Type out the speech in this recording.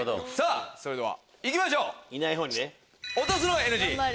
それではいきましょう！